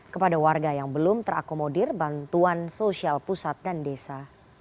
kepada warga yang belum terakomodir bantuan sosial pusat dan desa